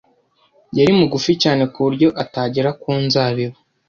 Yari mugufi cyane ku buryo atagera ku nzabibu.